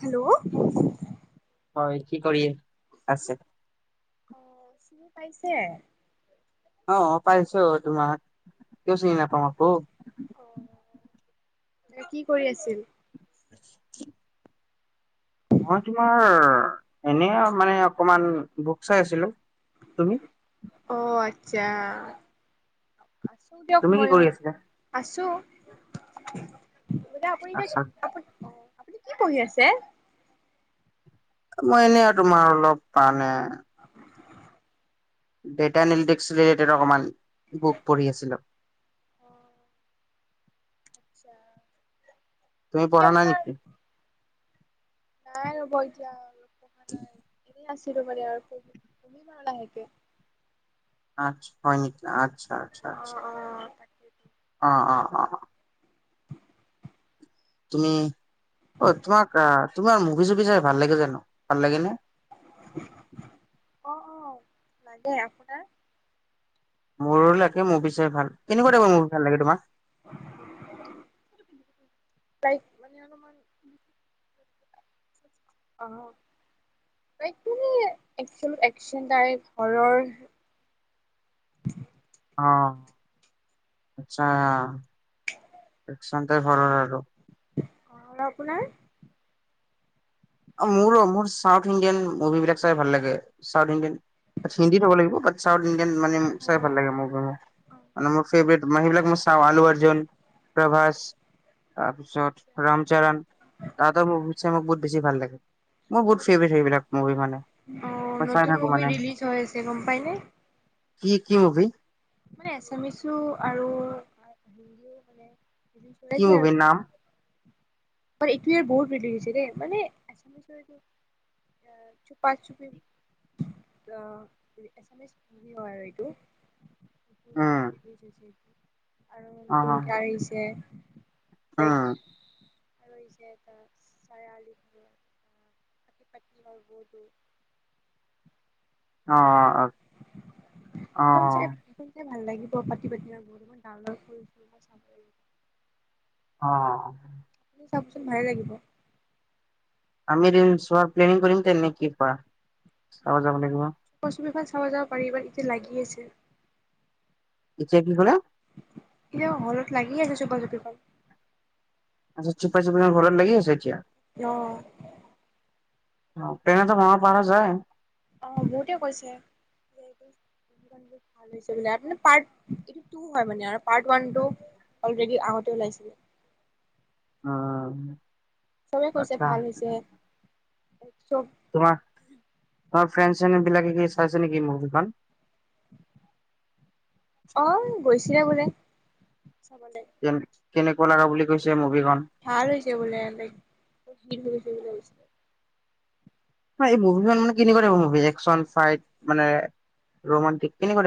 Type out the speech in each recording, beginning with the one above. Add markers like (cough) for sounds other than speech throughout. Hello হয় কি কৰি আছে? অ চিনি পাইছে? অ অ পাইছো তোমাক। কিয় চিনি নাপাম আকৌ। অ এ কি কৰি আছিল? (unintelligible) মই তোমাৰ এনে মানে অকমান বুক চাই আছিলো। তুমি? অ আচ্ছা আছো দিয়ক তুমি কি মইও। কৰি আছিলা আছো। (inaudible) দাদা আপুনি এতিয়া আচ্ছা আপুনি কি পঢ়ি আছে? মই এনে আৰু তোমাৰ অলপ মানে ডেটা এনালাইটিক্স ৰিলেটেড অকমান বুক পঢ়ি আছিলো। আচ্ছা। তুমি বাকী পঢ়া নাই আপোনাৰ নেকি? নাই ৰ'ব এতিয়া। পঢ়া নাই। এনেই (unintelligible) আৰু (unintelligible) আৰ্টছ হয় নেকি? আচ্ছা। আচ্ছা। অ' আচ্ছা। অ' তাকেইতো। অ'- বাকী অ'- অ' তুমি অ তোমাক তোমাৰ মুভি চুভি চাই ভাল লাগে জানো? ভাল লাগে নে? অ অ নাই দেয়ক আপোনাৰ? মোৰো লাগে মুভি ভাল কেনেকুৱা টাইপৰ মুভি ভাল লাগে তোমাৰ? তাইক মানে অলপমান অ একতিঙ একচন তাইপ হঁৰৰ অ আচ্ছা একচন তাপ হঁৰৰ আৰু। অ আৰু আপোনাৰ? মোৰো মোৰ চাউথ ইণ্ডিয়ান মুভিবিলাক চাই ভাল লাগে চাউথ ইণ্ডিয়ান হিন্দীত হ'ব লাগিব ব চাউথ ইণ্ডিয়ান মানে চাই ভাল লাগেভি মোৰ মানে মোৰ ফেভৰেট মানে সেইবিলাক মই চা আলু অৰ্জুন প্ৰভাস তাৰ পিছত ৰামচৰণ তাহাতৰ মোভি চাই মোৰ বহুত বেছি ভাল লাগে। (unintelligible) বহুত ফেভৰেট সেইবিলাক মুভি মানে অ মই চাই নতুন থাকো মুভি মানে ৰিলিজ হৈ আছে গম পাইনে? কি কি মুভি? মানে এছামিছো আৰু হিন্দীও মানে কি মুভিৰ নাম? মানে এইটো ই বহুত বলিছে দেই মানে এছামিছৰ এইটো চুপাচুপি অ এছামিচ মুভি আৰু এইটো উম উম ৰিলিজ হয়চে। আৰু অ নতুনকে আহিচে উম (unintelligible) আৰু আহিচে এটা চাৰাআলি খানৰ পটি পতনি অৰ ঔ অ' অ' অ' সেইখন চাই অ'। সেইখন চাই ভাল লাগিব পতি পতনি অৰ ও মান ডাৰ ফুল ফুল চাব লাগিব অ। চাওকচোন ভালে লাগিব। আমি দুইও চোৱাৰ প্লানিং কৰিম তেনে কি কুৱা? (unintelligible) চাব যাব পাৰিবা এতিয়া লাগি আছে। এতিয়া কি ক'লে এতিয়া হলত লাগি আছে (unintelligible) আচ্ছা চুপা চুপি খন হলত লাগি আছে এতিয়া? অ। পীলেন এতা বনাব পাৰা যায়। অ বহুতে কৈছেটো ট হয় মানে পাৰ্ত টো হয় মানে আৰু পাৰত ওৱান খন অলৰেদি আগতে ওলাইছিলে। অ। চবে কৈছে আচ্ছা ভাল হৈছে। চব তোমাৰ, অ' (unintelligible) ফ্ৰেণ্ চেন বিলাকে কি চাইছে নেকি মুভিখন? (unintelligible) অ' গৈছিলে বোলে। চাবলৈ, কেনেকুৱা লগা বুলি কৈছে মোভি ভাল হৈছে বোলে। ঠিক লাগিছে, এই মুভি মান কেনেকোৱা তাইপৰ মুভি, একচন, ফাইট মানে ৰোমান্টিক কেনেকোৱা?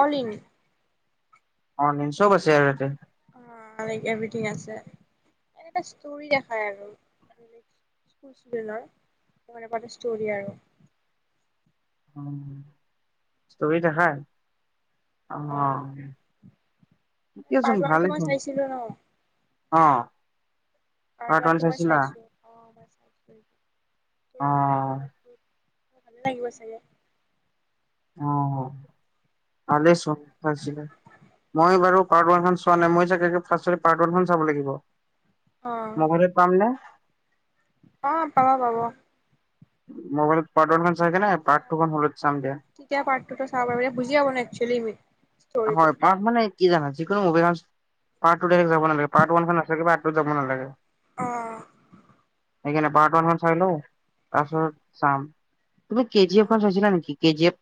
All in. অল ইন চব আছে আৰু ইয়াতে। লাইক এভ্ৰিথিং আছে, এনেটা ষ্টৰি দেখাই আৰু তেনেকুৱা এটা ষ্টৰি আৰু। উম' ছবি দেখায় অ' আহ ঠিকেচোন পাৰ্ট ওৱান টো মই ভালেচোন চাইছিলো ন'। অ'। পাৰ্ট ওৱান কাৰটো মই চাইছিলা চাইছো অ'। উম। অ (unintelligible) ভালে লাগিব চাগে। অ ভছিল মই বাৰু পাৰ্ট ওৱান চোৱা নাই মই চাগে ফ পাৰ্ট ওৱান চাব লাগিব। অ মগৰ পাম ন? অ পাবা পাব। মোবাইলত পাৰ্ট ওৱান খন চাই কেনে পাৰ্ট তেতিয়া টু খন হলত চাম দিয়া। তেতিয়া পাৰঠটোতো চাব পাৰে বুজি পাব ন একেল হয় পাক মানে কি জানা যিকোনো মুভি পাৰ্ট টু ত যাব নালাগে পাৰ্ট ৱান টু যাব নালাগে। অহ। সখ পাৰ্ট ওান খ চাইল তাৰপিছত চাম তুমি অ কেজি এফ খ চাইছিলা নেকি কেজি এফ।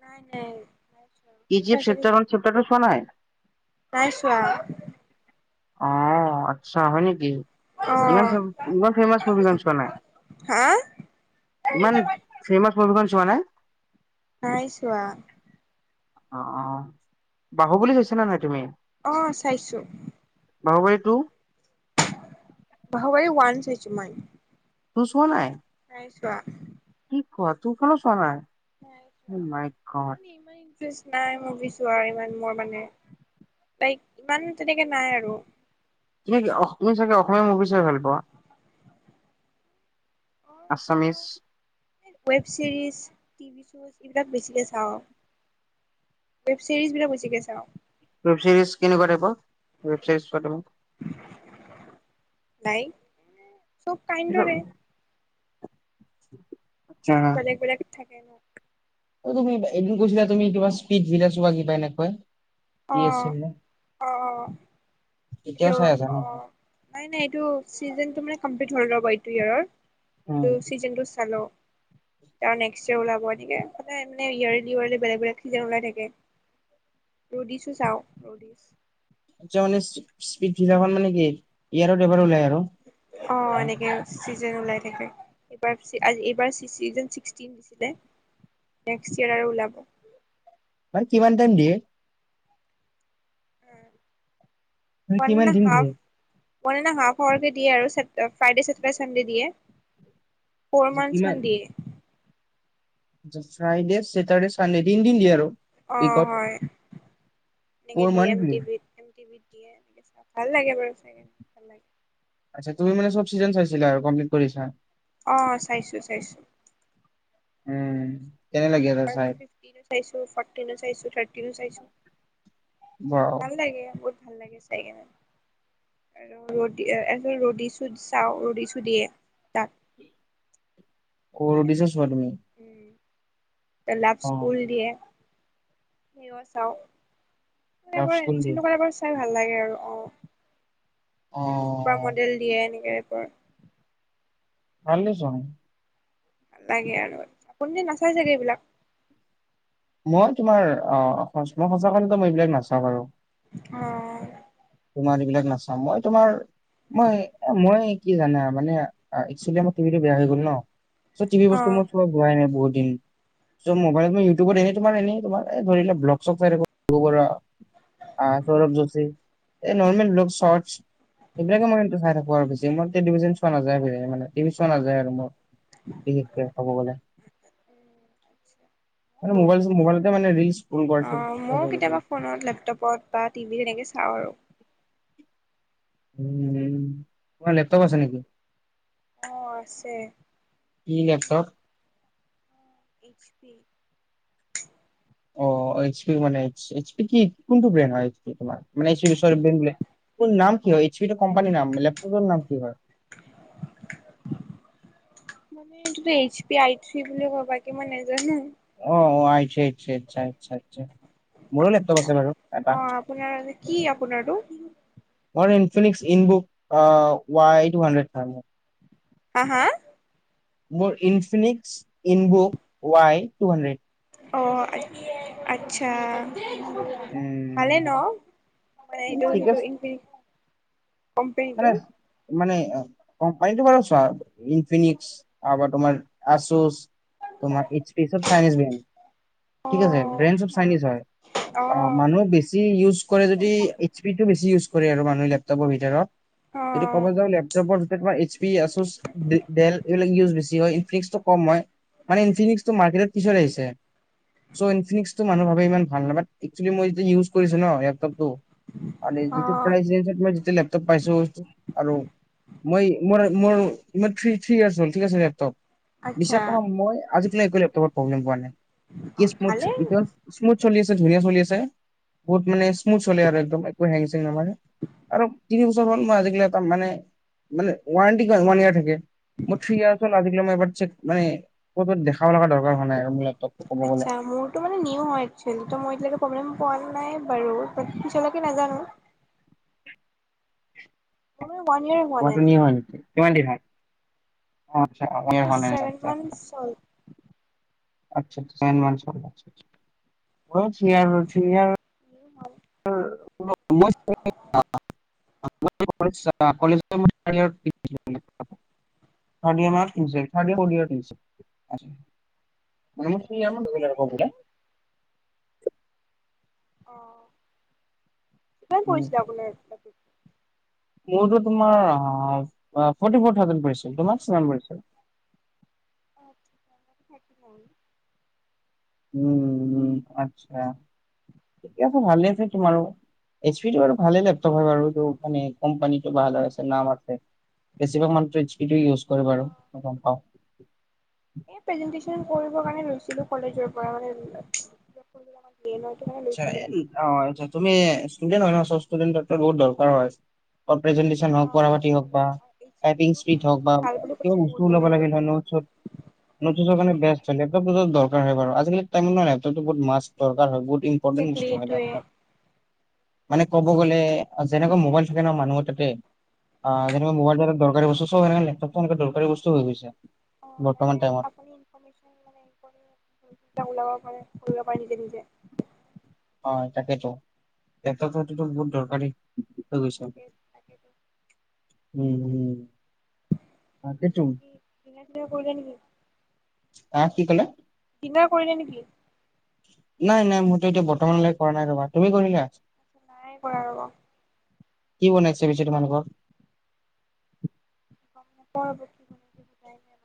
নাই নাই। তুমি ইিপ চাইছা নেকি চেপাৰ চেপাৰটো চোৱা নাই। নাই চোৱা। অ', আচ্ছা হয় নেকি? ইমান অ ইমান ফেমাচ চোৱা নাই হা ইমান ফেমাচ ছোৱা নাই? নাইছোৱা। অ'-অ', বাহু বলি চাইছা নে নাই তুমি? অ', চাইছো। বাহুবলি টু? বাহুবলি ওৱান চাইছো মই। টু চোৱা নাই। নাই চোৱা। কি কোৱা টু খনো চোৱা নাই। অ মানে মাই গড। ইমান নাই মোৰ বিচৰা নাই ইমান মানে তাইক, ইমান তেনেকে নাই আৰু। তুমি কি অস- তুমি চাগে অসমীয়া মুভি চাই ভাল পোৱা। মাই ছাও Assamese web series. TV show এইবিলাক বেছিকে চাওঁ, ৱেব চিৰিজ বিলাক বেছিকে চাওঁ। ৱেব চিৰিজ কেনেকোৱা টাইপৰ, ৱেব চিৰিজ চোৱা তুমি। নাই। চব কাইণ্ডৰে। (inaudible) চব বেলেগ, বেলেগ থাকে ন'। তুমি এদিন কৈছিলা তুমি কিবা স্পীট ভিলা চোৱা কিবা এনেকুৱা। কি অ আছিলে? অ অ এইটো অ', নাই, নাই এইটো চিজনটো মে কমপ্লিট হৈ ৰ'ব এইটো ইয়েৰৰ, এইটো, উম। চিজনটো চালো। ত' নেক্স ইয়েৰ ওলাব এনেকে, ইয়েৰলি বেলেগ, বেলেগ চিজন ওলাই থাকে, ৰডিছো চাওঁ। (unintelligible) স্পীলট ভিলা খন মানে কি, ইয়েৰত এবাৰ ওলাই আৰু অ' এনেকে, যেন ওলাই থাকে, এইবাৰ চিজন ছিক্সটিন দিছিলে নেক্স ইয়েৰ আৰু ওলাব। কিমান টাইম দিয়ে? উম' তুমি কিমান দিন দিয়ে? মানে ওৱান এণ্ড হাফ আৱাৰ কে দিয়ে আৰু ফ্ৰাইডে, চছেটাৰডে, চানডে দিয়ে। ফ'ৰ মান্থছ কিমান মান দিয়ে। ফ্ৰাইডে, চেটাৰডে, চানডে তিনদিন দিয়ে আৰু। অ' উইকত হয়, এনেকে ফ'ৰ দিয়ে month M T V, M T বিত দিয়ে, ভাল লাগে। চাগে ভাল লাগে। আচ্ছা তুমি মানে চব চিজন চাইছিলা আৰু কমপ্লিট কৰিছা। অ' চাইছো, চাইছো। উম'। কেনে লাগিল মই চাই ফিফটিনো চাঁইছো, ফ'ৰটিনো চাঁইছো, থাৰটিনো চাঁইছো। ৱাও ভালো লাগে বুত ভাল লাগে চাই কিনে আৰু ৰ আজি ৰ'দিছো চাওঁ ৰদিছো দিয়ে তাত অ বিজেছ চোৱা তুমি অ লাভ স্কুল নিদিয়ে নিৱ চাও লাভ বাৰ স্কুল ডে চিন এবাৰ চাই ভাল লাগে আৰু অ অ চুপাৰ মডেল দিয়ে এনেকে উপ পায় ভাল লে চোৱা নাই ভাল লাগে আৰু আপুনি তো নাচাই চাগে এইবিলাক মই তোমাৰ অ মই সঁচা কলে তো মই এইবিলাক নাচাওঁ আৰু অহ তোমাৰ এইবিলাক নাচাও মই তোমাৰ মই মই কি জানা মানে একস্বলি আমাৰ টিভিটো বেয়া হৈ গল ন চ টিভি বস্তু অ'। মই তোমাৰ চোৱাই নাই বহুদি চব মোবাইলতে ম ইউটিউবত এনেই তোমাৰ এনেই তোমাৰ এই ধৰি লোৱা ব্লগ চগ চাই থাকোঁ দিম্পু বৰুৱা, আ সৌৰভ যোশী এই নহ'লে চৰ্টছ এইবিলাকে মই চাই থাকো আৰু বেছি মই টেলিভিশন চোৱা নাযায় মানে টিভি চোৱা নাযায় আৰু মো বিশেষকে ক'ব গ'লে উম আচ্ছা মানে মোবাইল ম মোবাইলতে মানে ৰিল স্ক্ৰল অ কৰে মইয়ো কেতিয়াবা ফোনত, লেপটপত বা টিভিত সেনেকে চাওঁ আৰু উম উম তোমাৰ লেপটপ আছে নেকি? অ', আছে। কি লেপটপ? এইচ পি অ' এইচ পি মানে এইচ পি কি কোনটো ব্ৰেণ্ড হয় এইচ পি তোমাৰ? মানে ব্ৰেণ্ড বোলে নাম কি হয়? সেইটো কোম্পানীৰ নাম, লেপটপৰ নাম কি হয়? মানে এইটোটো এইচ পি আই থ্ৰী বুলি কয় বাকী মই নেজানো। অ আই থ্ৰী আচ্ছা আচ্ছা আচ্ছা আচ্ছা মোৰো লেপটপ আছে বাৰু অ এটা আপোনাৰ কি আপোনাৰটো মোৰ ইনফিনিক্স ইনবুক আ ৱাই টু হানড্ৰেড হয় মোৰ হা হা? মোৰ Infinix InBook Y two hundred অঁ আচ আচ্ছা। উম, ভালে ন মানে এইটো ঠিক সেইটো আছে ইনফি? মানে মানে কোম্পানীটো বাৰু চোৱা ইনফিনিক্স, আৰু বা তোমাৰ আচুচ তোমাৰ এইচ পি চব চাইনীজ ব্ৰেণ্ড। অ ঠিক আছে। ব্ৰেণ্ড চব চাইনীজ হয়, অ অ মানুহে বেছি ইউজ কৰে যদি এইচ পিটো বেছি ইউজ কৰে আৰু মানুহেলেপ (inaudible) ভিতৰত এইটো ক'ব যাওঁ লেপটপৰ তোমাৰ এইচ পি, আছোচ, ডেল এইবিলাক ইউজ বেছি হয়, ইনফিক্সটো কম হয়। মানে ইনফিনিক্সটো মাৰ্কেটত পিছত আহিছে চ' ইনফিনিক্সটো মানুহ ভাবে ইমান ভাল নহয় বাট এক্সুৱেলি মই যেতিয়া ইউজ কৰিছোঁ ন লেপটপটো অ (unintelligible) পাইছো আৰু মই মোৰ মোৰ মোৰ থ থ্ৰী ইয়াৰ্চ হ'ল ঠিক আছে লেপটপ। আচ্ছা বিশ্বাস কৰা মই আজি একোৱেই লেপটপত প্ৰব্লেম পোৱা নাই। কি স্মুথ ভালে এতিয়াও স্মু চলি আছে, ধুনীয়া চলি আছে বহুত মানে স্মুথ চলে আৰু একদম একো হেং চেং নামাৰে। আৰু তিনি বছৰ হ'ল মই আজিক লাগি এটা মানে মানে ৱাৰেণ্টি ওৱান ইয়াৰ থাকে মোৰ থ্ৰী ইয়াৰ্ছ হ'ল আজিক‌ লৈকে মই এবাৰ মানে ক'ৰবাত দেখাব লগা দৰকাৰ হোৱা নাই। লেপটপটো ক'ব গ'লে আচ্ছা, মোৰটো মানে নিউ হয় এক্সুৱেলি ত' মই এতিয়ালেকে প্ৰব্লেম পোৱা নাই বাৰু বাট পিছলৈকে নাজানো। মোৰ মানে ওৱান ইয়েৰ হোৱা নাই তোমাৰতো নিউ হয় নেকি কিমান দিন হ'ল? অ' আচ্ছা মানে ওৱান মোৰ ইয়াৰ হোৱা নাই‌ ছেভেন মান্থছ আচ্ছা হ'ল আচ্ছা চেভেন (unintelligible) হ'ল। ‌ মোৰ থ্ৰি ইয়াৰ হ'ল থ্ৰি ইয়াৰ। (inaudible) (inaudible) (inaudible) (inaudible) ভালে (unintelligible) অ', (unintelligible) উম কৰিছিল (unintelligible) মোৰতো তোমাৰ ফৰ্টি ফোৰ থাউজেন্দ পৰিছিল তোমাৰ কিমান পৰিছিল? আচ্ছা (unintelligible) উম আচ্ছা ঠিকেই আছে ভালে আছে তোমাৰো এইচ পি টো আৰু ভালে লেপটপ হয় বাৰু মানে কোম্পানীটো ভাল হয় নাম আছে বেছিভাগ মানুহেইটো এইচ পি ইউজ কৰে বাৰু। অ', এই প্ৰেজেন্টেশন কৰিব কাৰণে লৈছিলো কলেজৰ পৰা মানে‌ (unintelligible) আচ্ছা অ' আচ্ছা তুমি ষ্টুডেন্ট হয় ন চ' ষ্টুডেন্টকটো বহুত দৰকাৰ হয়। প্ৰেজেন্টেচন হক পঢ়া পাতি হওক বা এইচ টাইপিং পিটো স্পীড হক বা ভাল বুলি কিবা কৈছে বহুত (unintelligible) ওলাব মানে লাগিলে হয় এইবিলাক নোট (unintelligible) (unintelligible) (unintelligible) একজেক্টলি এইটোৱে (unintelligible) মানে ক'ব গ'লে যেনেকুৱা মোবাইল থাকে ন মানুহৰ তাতে অহ যেনেকা মোবাইল এটা দৰকাৰী বস্তু চব সে লেপটপ সনেকুৱা দৰকাৰী বস্তু হৈ গৈছে। অ' বৰ্তমান লাগে টাইমত। আপুনি ইনফ মেচন লাব পাৰে। কৰিব পাৰি নিজে-নিজে। হয় তাকেতো লেপটপতো বহুত দৰকাৰী। হৈ গৈছে তাকে তাকেতো উম-উম তাকেটো। বাকী ডিনাৰ চিনাৰ কৰিলে নেকি অহ কি ক'লে? ডিনাৰ কৰিলে নেকি? নাই-নাই মইতো এতিয়া বৰ্তমানলৈ কৰা নাই ৰবা তুমি কৰিলা। নাই কৰা ৰব। কি বনাইছে পিছে তোমালোকৰ? গম নাপাওঁ কি বনাইছে সুধাই নাই।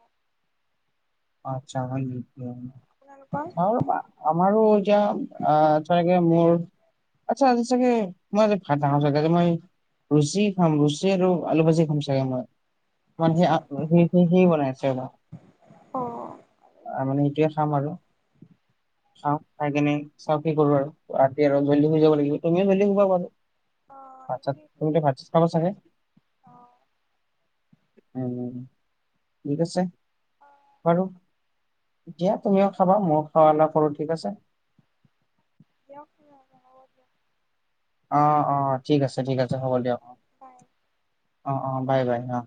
আচছা হয় নেকি? আপোনালোকৰ ধ আমাৰো এতিয়া চাগে। মোৰ আচ্ছা আজি চাগে মই আজ ভাত খা চাগে আ মই ৰুচী খাম ৰুচী আৰু আলু ভাজি খাম চাগে মই। মানে আচ্ছা সি-সি-সি-সি বনাই আছে ৰবা। অ ভালে দিয়ক মানে এইটোৱে খাম আৰু। চাওঁ চাই কিনে চাওঁ কি কৰো আৰু ৰাতি আৰু জল্দি শুই যাব লাগিব তুমিও জল্দি শুবা বাৰু। অ আচ্ছা, সেইটোৱেইটো তুমিটো ভাত চাত খাবা চাগে। অ উম ঠিক আছে। অ বাৰু দিয়া তুমিও খাবা মই খোৱা লোৱা কৰো ঠিক আছে। দেব (inaudible) অ-অ, ঠিক আছে ঠিক আছে হ'ব দিয়ক অ। বাই অ-অ বাই-বাই অ',